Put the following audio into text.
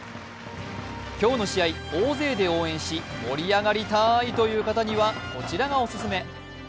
今日の試合、大勢で応援し、盛り上がりたいという方にはこちらがオススメ。